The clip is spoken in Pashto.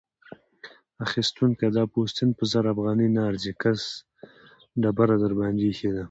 اخيستونکی: دا پوستین په زر افغانۍ نه ارزي؛ کس ډبره درباندې اېښې ده.